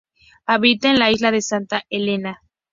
Habita en la isla de Santa Helena.